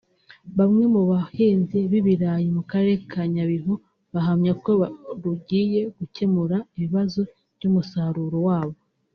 Bamwe mu bahinzi b’ibirayi mu Karere ka Nyabihu bahamya ko rugiye gukemura ibibazo by’umusaruro wabo